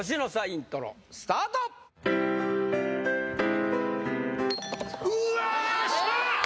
イントロスタートうわしまっ